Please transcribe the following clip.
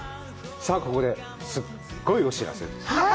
さあ、ここですっごいお知らせです。